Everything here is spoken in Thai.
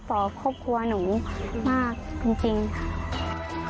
ครอบครัวหนูมากจริงค่ะ